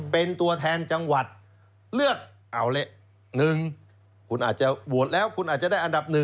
เป็นตัวแทนจังหวัดเลือกเอาละ๑คุณอาจจะโหวตแล้วคุณอาจจะได้อันดับ๑